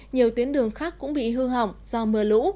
nhiều tuyến đường khác cũng bị hư hỏng do mưa lũ